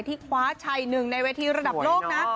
คว้าชัยหนึ่งในเวทีระดับโลกนะ